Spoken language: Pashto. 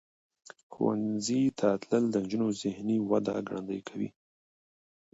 ښوونځي ته تلل د نجونو ذهنی وده ګړندۍ کوي.